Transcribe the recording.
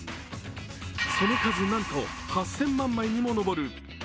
その数なんと８０００万枚にも上る。